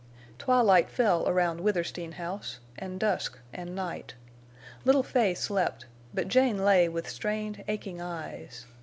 Twilight fell around Withersteen House, and dusk and night. Little Fay slept; but Jane lay with strained, aching eyes.